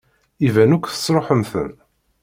Iban akk tesṛuḥem-ten.